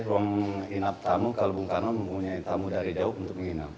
ruang inap tamu kalau bung karno mempunyai tamu dari jauh untuk menginap